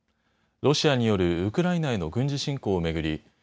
ロシアによるウクライナへの軍事侵攻を巡り